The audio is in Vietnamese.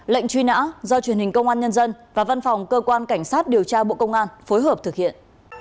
lệnh truy nã do truyền hình công an nhân dân và văn phòng cơ quan cảnh sát điều tra bộ công an phối hợp thực hiện